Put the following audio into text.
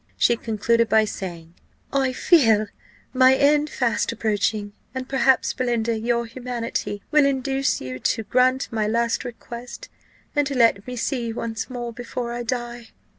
She concluded by saying, "I feel my end fast approaching, and perhaps, Belinda, your humanity will induce you to grant my last request, and to let me see you once more before I die."